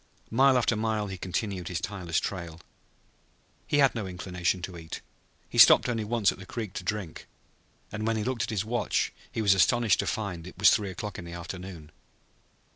Mile after mile he continued his tireless trail. He had no inclination to eat. He stopped only once at the creek to drink. And when he looked at his watch he was astonished to find that it was three o'clock in the afternoon.